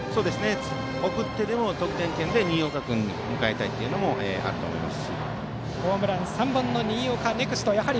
送ってでも、得点圏で新岡君を迎えたいというのはあると思います。